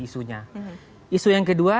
isunya isu yang kedua